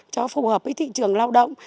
cho phù hợp với thị trường lao động